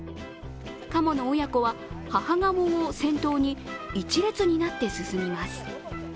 カモの親子は母ガモを先頭に一列になって進みます。